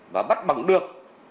và bắt bằng được